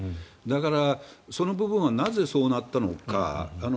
だから、その部分はなぜそうなったのか。